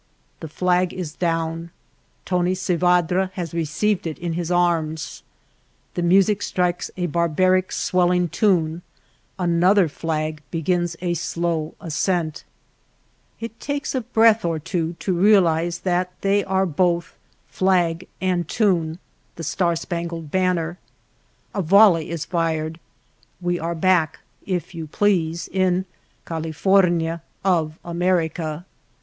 The flag is down ; Tony Sevadra has received it in his arms. The music strikes a barbaric swelling tune, another flag begins a slow ascent, — it takes a 277 IHE LITTLE TOWN OF THE GRAPE VINES breath or two to realize that they are both, flag and tune, the Star Spangled Banner, — a volley is fired, we are back, if you please, in California of America.